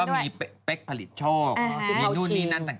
มีเป๊กผลิตโชคมีนู่นนี่นั่นต่าง